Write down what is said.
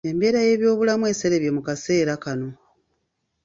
Embeera y’ebyobulamu eserebye mu kaseera kano.